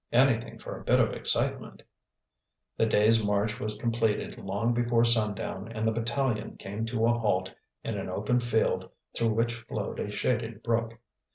"Anything for a bit of excitement." The day's march was completed long before sundown, and the battalion came to a halt in an open field through which flowed a shaded brook.